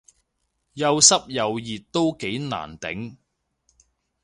又濕又熱都好難頂